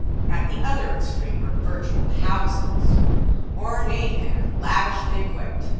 At the other extreme were virtual houses, ornate and lavishly equipped.